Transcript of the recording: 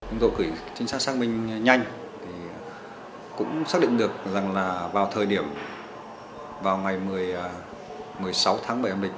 ông rộng cử trình sát xác minh nhanh thì cũng xác định được rằng là vào thời điểm vào ngày một mươi sáu tháng bảy âm lịch